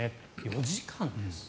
４時間ですよ。